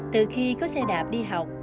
từ khi có xe đạp đi học